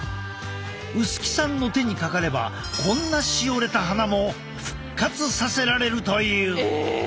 薄木さんの手にかかればこんなしおれた花も復活させられるという。